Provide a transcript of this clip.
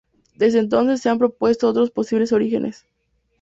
Desde entonces se han propuesto otros posibles orígenes.